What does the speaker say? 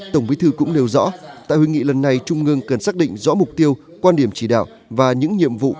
tổng bí thư cũng nêu rõ tại hội nghị lần này trung ương cần xác định rõ mục tiêu quan điểm chỉ đạo và những nhiệm vụ